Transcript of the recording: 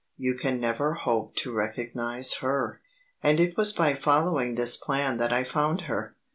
You can never hope to recognize her." And it was by following this plan that I found her.